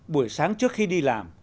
buổi sáng trước khi đi làm